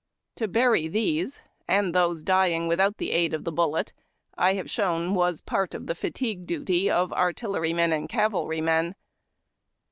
To bur}' these, and those dying witliout the aid of the bullet, I have shown, was a part of the fatigue duty of artillerymen and cavalrymen.